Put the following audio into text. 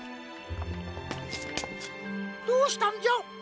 どうしたんじゃ？